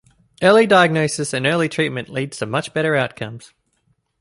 Early diagnosis and early treatment leads to much better outcomes.